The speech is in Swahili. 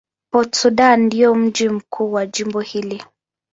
Port Sudan ndio mji mkuu wa jimbo hili.